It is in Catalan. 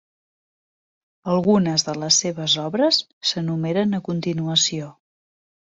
Algunes de les seves obres s'enumeren a continuació.